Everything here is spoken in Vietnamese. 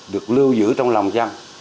được lưu giữ trong lòng chăm